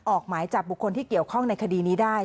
ออกหมายจับบุคคลที่เกี่ยวข้องในคดีนี้ได้